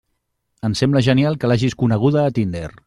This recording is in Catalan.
Em sembla genial que l'hagis coneguda a Tinder!